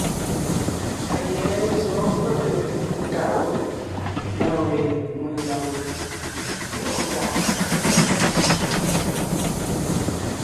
A yɛ̌ zɔ̌ fege nkaʼ wég na we megàŋ nkwɔ́ʼɔ nkaʼ.